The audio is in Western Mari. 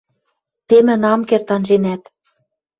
Темӹн ам керд анженӓт.